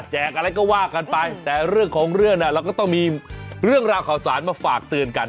อะไรก็ว่ากันไปแต่เรื่องของเรื่องน่ะเราก็ต้องมีเรื่องราวข่าวสารมาฝากเตือนกัน